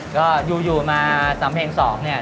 ก็อยู่มาสำเพ็งสองเนี่ย